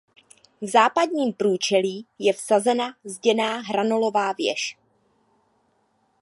V západním průčelí je vsazena zděná hranolová věž.